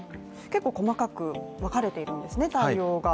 結構細かく対応が分かれているんですね。